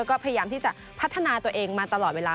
ก็พยายามที่จะพัฒนาตัวเองมาตลอดเวลา